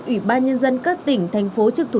ủy ban nhân dân các tỉnh thành phố trực thuộc